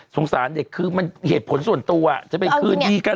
สารเด็กคือมันเหตุผลส่วนตัวจะไปคืนดีกัน